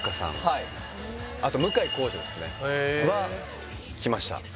はいあと向井康二ですねは来ましたへえ